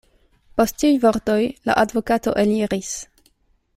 Post tiuj vortoj la advokato eliris.